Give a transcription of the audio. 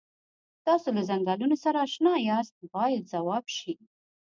تاسو له څنګلونو سره اشنا یاست باید ځواب شي.